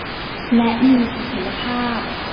และมีเสถียรภาพ